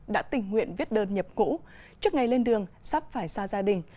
đã tình nguyện viết đơn nhập cũ trước ngày lên đường sắp phải xa gia đình